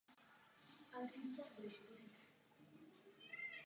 Zadruhé, zásada otevřené soutěže na evropském trhu s energiemi.